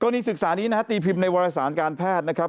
นิงศึกษานี้นะฮะตีพิมพ์ในวารสารการแพทย์นะครับ